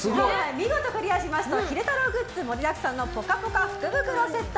見事クリアしましたら昼太郎グッズ盛りだくさんのぽかぽか福袋セット。